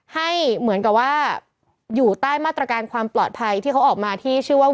ให้เหมือนกับว่าอยู่ใต้มาตรการความปลอดภัยที่เขาออกมาที่ชื่อว่า